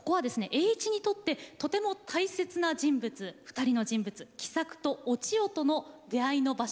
栄一にとってとても大切な人物２人の人物喜作とお千代との出会いの場所でもあります。